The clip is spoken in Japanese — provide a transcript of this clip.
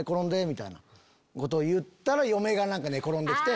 みたいなことを言ったら嫁が寝転んできて。